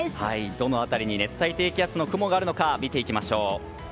どの辺りに熱帯低気圧の雲があるのか見ていきましょう。